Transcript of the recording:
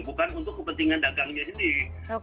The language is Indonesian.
bukan untuk kepentingan dagangnya sendiri